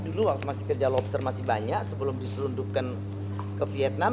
dulu waktu masih kerja lobster masih banyak sebelum diselundupkan ke vietnam